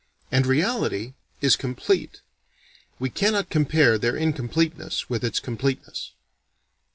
And reality is complete. We cannot compare their incompleteness with its completeness."